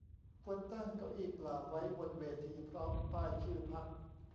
ควรตั้งเก้าอี้เปล่าไว้บนเวทีพร้อมป้ายชื่อพรรค